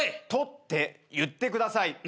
「と」って言ってください。